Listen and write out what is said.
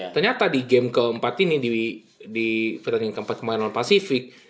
ternyata di game keempat ini di pertandingan keempat kemarin non pasifik